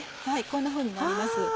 こんなふうになります